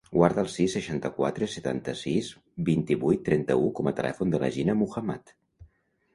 Guarda el sis, seixanta-quatre, setanta-sis, vint-i-vuit, trenta-u com a telèfon de la Gina Muhammad.